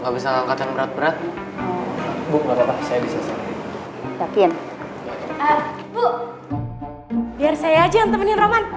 biaya aja ini aja yang temenin roman